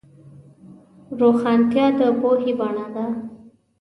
روښانتیا د پوهې بڼه ده.